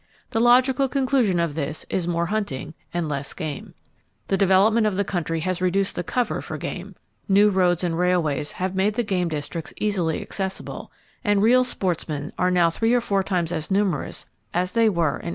The logical conclusion of this is more hunting and less game. The development of the country has reduced the cover for game. New roads and railways have made the game districts easily accessible, and real sportsmen are now three or four times as numerous as they were in 1877.